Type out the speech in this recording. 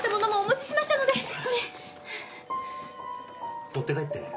持って帰って。